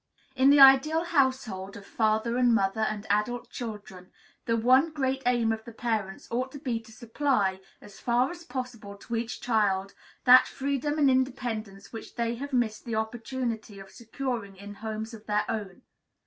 In the ideal household of father and mother and adult children, the one great aim of the parents ought to be to supply, as far as possible to each child, that freedom and independence which they have missed the opportunity of securing in homes of their own.